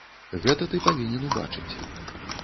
Гэта ты павінен убачыць.